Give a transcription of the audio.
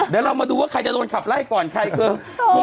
เดี๋ยวเรามาดูว่าใครจะโดนขับไล่ก่อนใครคือ